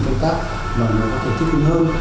kênh tác mà nó có thể thích hứng hơn